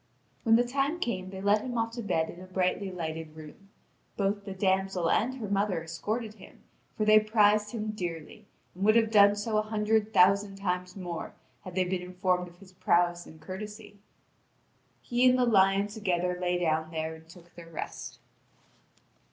When the time came they led him off to bed in a brightly lighted room; both the damsel and her mother escorted him, for they prized him dearly, and would have done so a hundred thousand times more had they been informed of his prowess and courtesy. He and the lion together lay down there and took their rest.